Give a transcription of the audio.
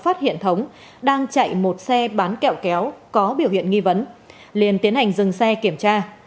phát hiện thống đang chạy một xe bán kẹo kéo có biểu hiện nghi vấn liên tiến hành dừng xe kiểm tra